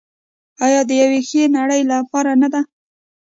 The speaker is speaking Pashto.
آیا د یوې ښې نړۍ لپاره نه ده؟